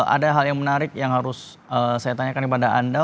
ada hal yang menarik yang harus saya tanyakan kepada anda